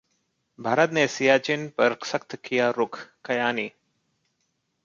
भारत ने सियाचिन पर सख्त किया रुख: कयानी